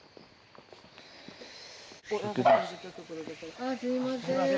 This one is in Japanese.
あすいません。